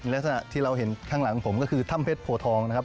ลักษณะที่เราเห็นข้างหลังผมก็คือถ้ำเพชรโพทองนะครับ